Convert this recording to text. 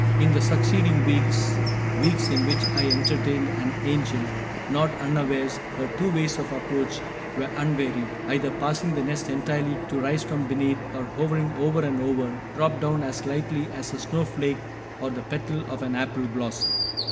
] In the succeeding weeks weeks in which I entertained an angel, not unawares, her two ways of approach were unvaried; either passing the nest entirely to rise from beneath, or, hovering over and over, drop down as lightly as a snowflake or the petal of an apple blossom.